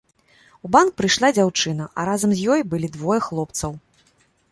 У банк прыйшла дзяўчына, а разам з ёй былі двое хлопцаў.